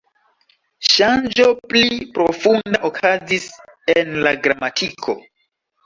Ŝanĝo pli profunda okazis en la gramatiko.